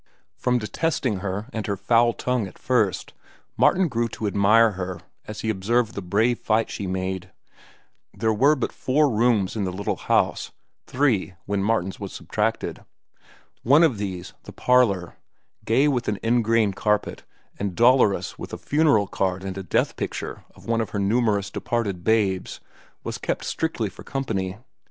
From detesting her and her foul tongue at first, Martin grew to admire her as he observed the brave fight she made. There were but four rooms in the little house—three, when Martin's was subtracted. One of these, the parlor, gay with an ingrain carpet and dolorous with a funeral card and a death picture of one of her numerous departed babes, was kept strictly for company.